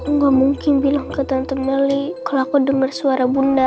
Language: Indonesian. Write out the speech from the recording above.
enggak mungkin bilang ke tante melly kalau aku dengar suara bunda